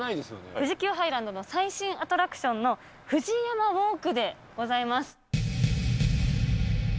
富士急ハイランドの最新アトラクションのフジヤマウォークでございます。